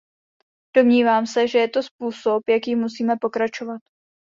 Domnívám se, že to je způsob, jakým musíme pokračovat.